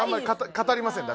語りません僕。